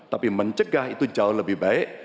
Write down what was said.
tapi mencegah itu jauh lebih baik